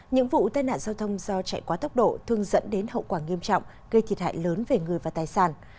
những vụ tai nạn giao thông do chạy quá tốc độ thường dẫn đến hậu quả nghiêm trọng gây thiệt hại lớn về người và tài sản